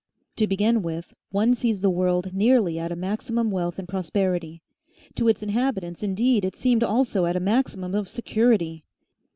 To begin with, one sees the world nearly at a maximum wealth and prosperity. To its inhabitants indeed it seemed also at a maximum of security.